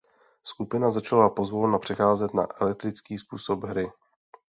Skupina začala pozvolna přecházet na elektrický způsob hry.